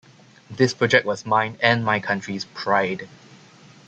This project was mine and my country's pride.